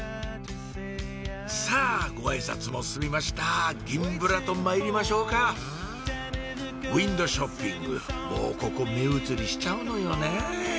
さぁご挨拶も済みました銀ブラとまいりましょうかウインドーショッピングもうここ目移りしちゃうのよねぇ